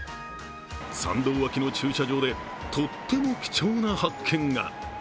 参道脇の駐車場で、とっても貴重な発見が。